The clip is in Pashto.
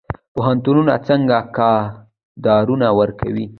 پوهنتونونه څنګه کادرونه ورکوي؟